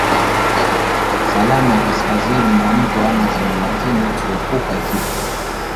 salama kaskazni mwa mto Amazon Lakini kuepuka kifo